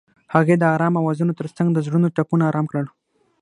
هغې د آرام اوازونو ترڅنګ د زړونو ټپونه آرام کړل.